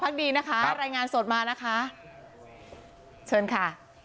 ค่ะอ่ะอะไรงานสดมานะคะชวนค่ะ